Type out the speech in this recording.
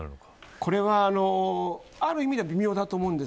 これはある意味で微妙だと思います。